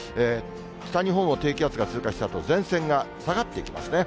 北日本を低気圧が通過したあと、前線が下がっていきますね。